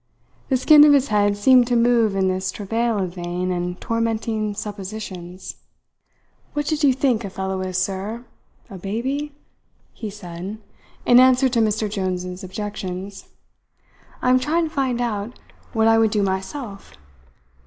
The skin of his head seemed to move in this travail of vain and tormenting suppositions. "What did you think a fellow is, sir a baby?" he said, in answer to Mr. Jones's objections. "I am trying to find out what I would do myself.